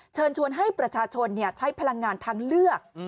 เชิญชวนให้ประชาชนใช้พลังงานทางเลือก